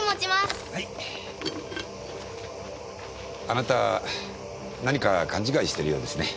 あなた何か勘違いしてるようですね。